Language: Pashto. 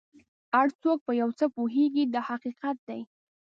هر څوک په یو څه پوهېږي دا حقیقت دی.